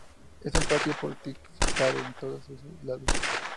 Es un patio porticado en todos sus lados.